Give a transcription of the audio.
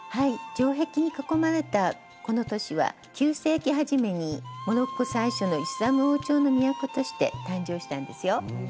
城壁に囲まれたこの都市は９世紀初めにモロッコ最初のイスラム王朝の都として誕生したんですよ。